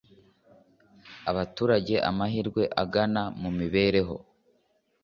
Abaturage amahirwe angana mu mibereho